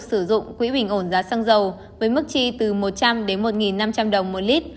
sử dụng quỹ bình ổn giá xăng dầu với mức chi từ một trăm linh đến một năm trăm linh đồng một lít